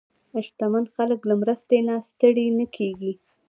شتمن خلک له مرستې نه ستړي نه کېږي.